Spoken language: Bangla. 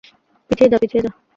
পিছিয়ে যা, পিছিয়ে যা!